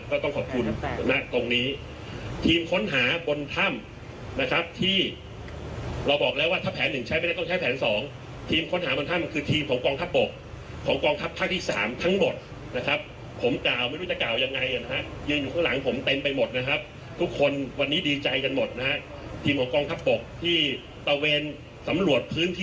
ก็ต้องขอบคุณณตรงนี้ทีมค้นหาบนถ้ำนะครับที่เราบอกแล้วว่าถ้าแผนหนึ่งใช้ไม่ได้ต้องใช้แผนสองทีมค้นหาบนถ้ำคือทีมของกองทัพบกของกองทัพภาคที่สามทั้งหมดนะครับผมกล่าวไม่รู้จะกล่าวยังไงนะฮะยืนอยู่ข้างหลังผมเต็มไปหมดนะครับทุกคนวันนี้ดีใจกันหมดนะฮะทีมของกองทัพบกที่ตะเวนสำรวจพื้นที่